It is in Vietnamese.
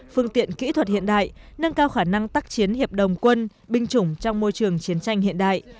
phương tiện kỹ thuật hiện đại nâng cao khả năng tác chiến hiệp đồng quân binh chủng trong môi trường chiến tranh hiện đại